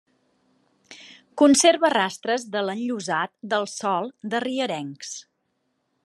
Conserva rastres de l'enllosat del sòl, de rierencs.